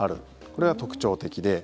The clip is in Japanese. これが特徴的で。